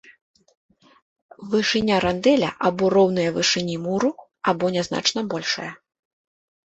Вышыня рандэля або роўная вышыні муру, або нязначна большая.